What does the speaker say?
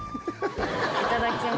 いただきます。